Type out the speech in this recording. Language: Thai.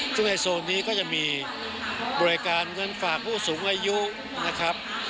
ซึ่งในโซนนี้ก็จะมีบริการเงินฝากผู้สูงอายุนะครับ